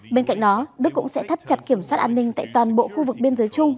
bên cạnh đó đức cũng sẽ thắt chặt kiểm soát an ninh tại toàn bộ khu vực biên giới chung